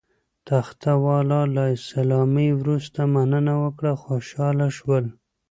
تخته والاو له سلامۍ وروسته مننه وکړه، خوشاله شول.